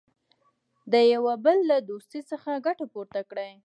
د یوه بل له دوستۍ څخه ګټه پورته کړي.